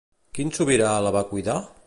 Quin sobirà la va cuidar?